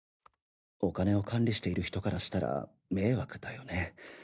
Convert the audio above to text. お金を管理している人からしたら迷惑だよねぇ。